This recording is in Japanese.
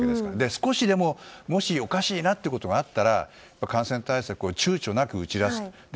少しでも、もしおかしいなということがあったら感染対策をちゅうちょなく打ち出す。